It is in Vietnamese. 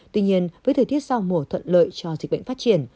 tuy nhiên với thời tiết sau mổ thuận lợi cho dịch bệnh phát triển